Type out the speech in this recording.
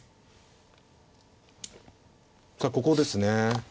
さあここですね。